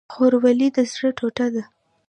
خور ولې د زړه ټوټه ده؟